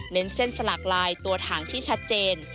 เส้นสลากลายตัวถังที่ชัดเจน